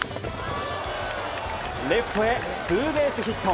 レフトへ、ツーベースヒット。